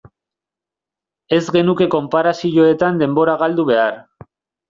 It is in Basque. Ez genuke konparazioetan denbora galdu behar.